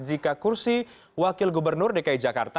jika kursi wakil gubernur dki jakarta